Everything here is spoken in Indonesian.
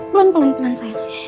pelan pelan pelan sayang